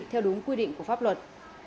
theo đúng quy định của pháp luật